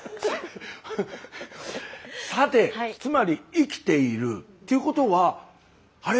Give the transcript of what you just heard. さてつまり「生きている」っていうことはあれ？